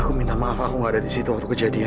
aku minta maaf aku gak ada disitu waktu kejadian